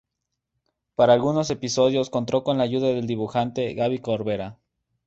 Para algunos episodios contó con la ayuda del dibujante Gabi Corbera.